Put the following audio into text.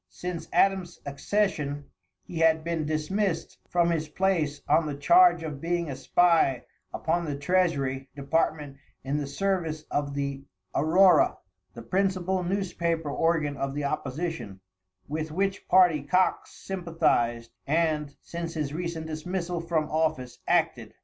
Since Adam's accession he had been dismissed from his place on the charge of being a spy upon the treasury department in the service of the Aurora, the principal newspaper organ of the opposition, with which party Coxe sympathized, and, since his recent dismissal from office, acted.